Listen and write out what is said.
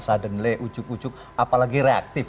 sudden lay ujuk ujuk apalagi reaktif